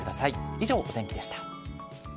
以上、お天気でした。